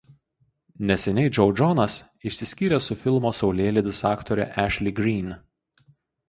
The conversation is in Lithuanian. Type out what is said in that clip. Neseniai Joe Jonas išsiskyrė su filmo „Saulėlydis“ aktore Ashley Greene.